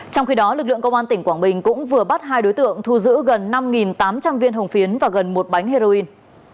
trong khi đó lực lượng công an tỉnh quảng bình cũng vừa bắt hai đối tượng thu giữ gần năm tám trăm linh viên hồng phiến và gần một bánh heroin